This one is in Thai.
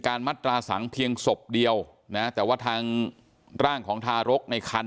มัตราสังเพียงศพเดียวนะแต่ว่าทางร่างของทารกในคัน